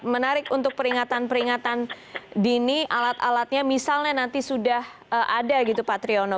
menarik untuk peringatan peringatan dini alat alatnya misalnya nanti sudah ada gitu pak triono